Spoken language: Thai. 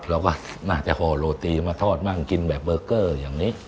เราก็น่าจะห่อโรตีมาทอดมั่งกินแบบเบอร์เกอร์อย่างนี้